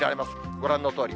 ご覧のとおり。